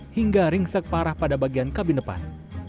hingga ringsek parah pada bagian kabin depan